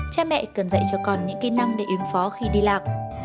cha mẹ cần dạy cho con những kỹ năng để ứng phó khi đi lạc